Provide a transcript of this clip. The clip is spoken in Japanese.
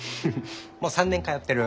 もう３年通ってる。